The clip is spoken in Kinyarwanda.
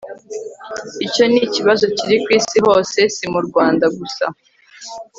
icyo ni ikibazo kiri ku isi hose si mu rwanda gusa